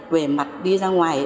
về mặt đi ra ngoài